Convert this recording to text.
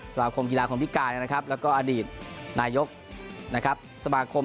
สมาคมกีฬาคนพิการนะครับแล้วก็อดีตนายกนะครับสมาคม